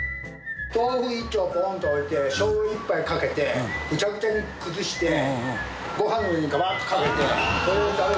豆腐一丁ポンと置いてしょうゆ一杯かけてグチャグチャに崩してご飯の上にガバーッとかけてそれを食べるのが。